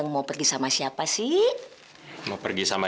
mau pergi sama dewi ma